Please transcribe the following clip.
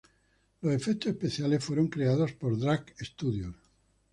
Los efectos especiales fueron creados por Drac Studios.